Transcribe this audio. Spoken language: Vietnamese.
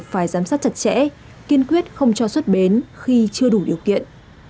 phải giám sát chặt chẽ kiên quyết không cho xuất bến khi chưa đủ điều kiện